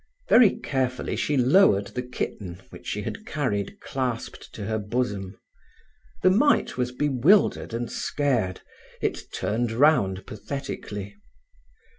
Very carefully she lowered the kitten which she had carried clasped to her bosom. The mite was bewildered and scared. It turned round pathetically.